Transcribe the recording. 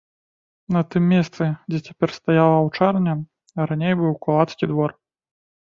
На тым месцы, дзе цяпер стаяла аўчарня, раней быў кулацкі двор.